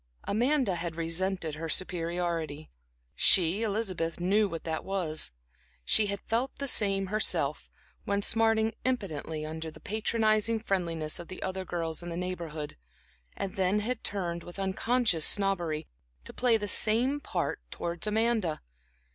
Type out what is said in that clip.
Amanda had resented her superiority; she, Elizabeth, knew what that was. She had felt the same herself, when smarting impotently under the patronizing friendliness of the other girls in the Neighborhood, and then had turned, with unconscious snobbery, to play the same part towards Amanda.